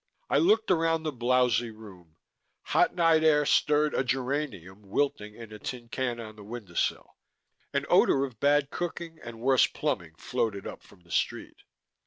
I looked around the blowsy room. Hot night air stirred a geranium wilting in a tin can on the window sill. An odor of bad cooking and worse plumbing floated up from the street.